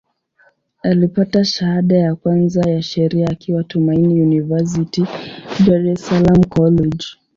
Alipata shahada ya kwanza ya Sheria akiwa Tumaini University, Dar es Salaam College.